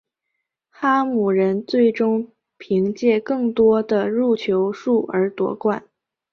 哈姆人最终凭借更多的入球数而夺冠。